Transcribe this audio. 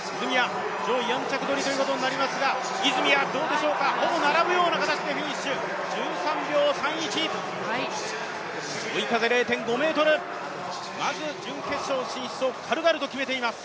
上位４着取りとなりますが、ほぼ並ぶような形でフィニッシュ、１３秒３１、追い風０．５メートル、まず準決勝進出を軽々と決めています。